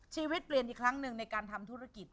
ชีวิตเปลี่ยนอีกครั้งหนึ่งในการทำธุรกิจ